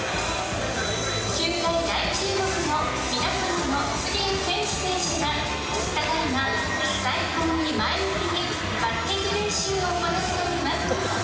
球界大注目の皆様の杉谷拳士選手が、ただいま、最高に前向きにバッティング練習を行っております。